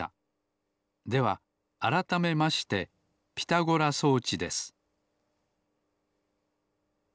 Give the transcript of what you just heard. ではあらためましてピタゴラ装置です